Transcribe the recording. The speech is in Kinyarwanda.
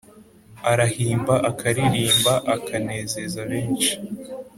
Arahimba akaririmba akanezeza benshi